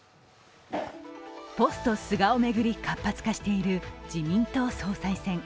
ポスト菅を巡り活発化している自民党総裁選。